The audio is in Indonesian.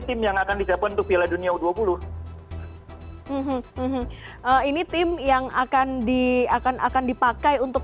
tim yang akan disiapkan untuk piala dunia u dua puluh ini tim yang akan di akan akan dipakai untuk